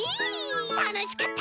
たのしかった！